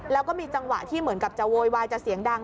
แล้วก็มีจังหวะที่เหมือนกับจะโวยวายจะเสียงดัง